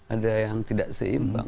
ada yang tidak seimbang